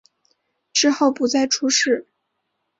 之后不再出仕。